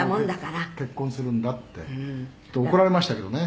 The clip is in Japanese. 「“実は結婚するんだ”って」「怒られましたけどね」